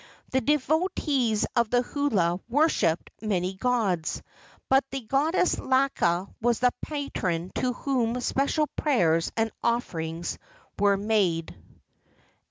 The devotees of the hula worshipped many gods, but the goddess Laka was the patron to whom special prayers and offerings were made."